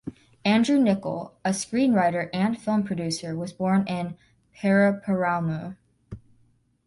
Andrew Niccol, a screenwriter and film producer, was born in Paraparaumu.